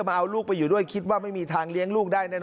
แต่เขาถอย์งัมาอยู่ห้างนึงลูก